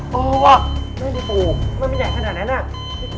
ไม่ปูมันไม่ใหญ่ขนาดนั้นน่ะ